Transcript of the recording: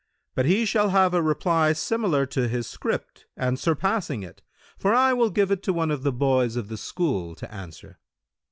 But he shall have a reply similar to his script and surpassing it, for I will give it to one of the boys of the school to answer.'